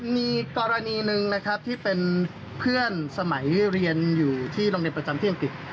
มีกรณีหนึ่งนะครับที่เป็นเพื่อนสมัยเรียนอยู่ที่โรงเรียนประจำที่อังกฤษ